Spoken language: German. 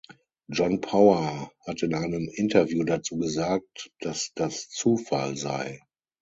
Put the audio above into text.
John Power hat in einem Interview dazu gesagt, dass das Zufall sei.